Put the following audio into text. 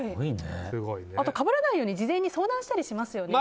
あと、かぶらないように事前に相談したりしますよね。